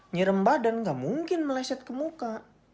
nyirem badan gak mungkin meleset ke muka